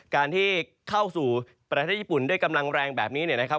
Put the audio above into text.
การที่เข้าสู่ประเทศญี่ปุ่นด้วยกำลังแรงแบบนี้เนี่ยนะครับ